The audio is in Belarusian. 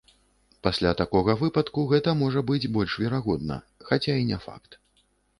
Пасля такога выпадку гэта можа быць больш верагодна, хаця і не факт.